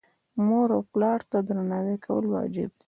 مور او پلار ته درناوی کول واجب دي.